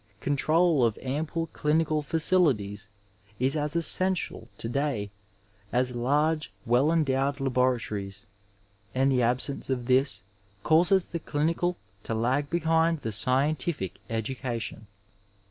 Control of ample dinical facilities is as essential to day as large, well endowed laboratories, and the absence of this causes the clinical to lag behind the scientific edu cation.